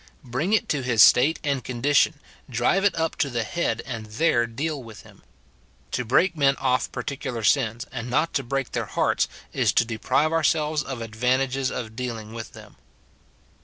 — bring it to his state and condition, drive it up to the head, and there deal with him. To break men off particular sins, and not to break their 212 MORTIFICATION OF hearts, Is to deprive ourselves of advantages of dealing with them.